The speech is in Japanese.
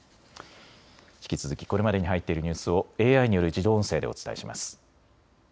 引き続きこれまでに入っているニュースをＡＩによる自動音声でお伝えします。